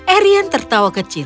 arian tertawa kecil